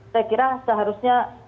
saya kira seharusnya